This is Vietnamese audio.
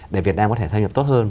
để việt nam có thể thâm nhập tốt hơn